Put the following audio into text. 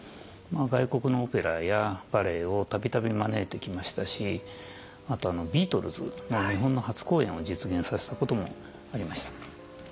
外国のオペラやバレエをたびたび招いてきましたしあとはビートルズの日本の初公演を実現させたこともありました。